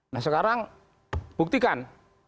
nah sekarang buktikan